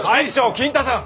金太さん！